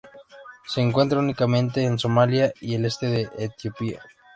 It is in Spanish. Se encuentra únicamente en Somalia y el este de Etiopía.